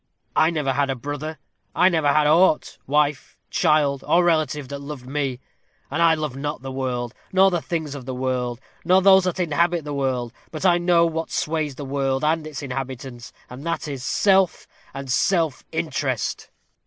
I never had a brother. I never had aught wife, child, or relative, that loved me. And I love not the world, nor the things of the world, nor those that inhabit the world. But I know what sways the world and its inhabitants; and that is, SELF! AND SELF INTEREST!